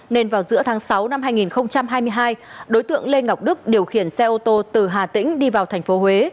nên vào giữa tháng sáu năm hai nghìn hai mươi hai đối tượng lê ngọc đức điều khiển xe ô tô từ hà tĩnh đi vào thành phố huế